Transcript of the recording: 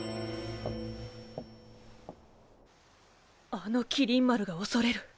あの麒麟丸が恐れる。